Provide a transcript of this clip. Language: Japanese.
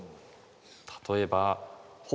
例えば「ほ」